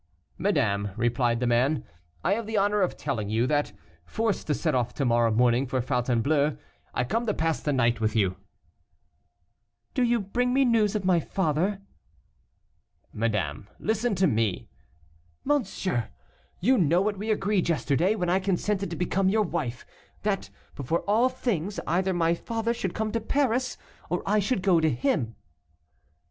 "Madame," replied the man, "I have the honor of telling you that, forced to set off to morrow morning for Fontainebleau, I come to pass the night with you." "Do you bring me news of my father?" "Madame, listen to me " "Monsieur, you know what we agreed yesterday, when I consented to become your wife, that, before all things, either my father should come to Paris, or I should go to him."